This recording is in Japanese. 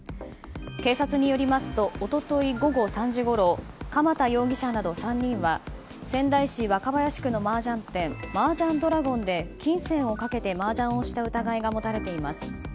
警察によりますと一昨日午後３時ごろ鎌田容疑者など３人は仙台市若林区のマージャン店麻雀ドラゴンで金銭をかけてマージャンをした疑いが持たれています。